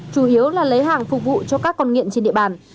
chủ yếu là lấy hàng phục vụ cho các con nghiện trên địa bàn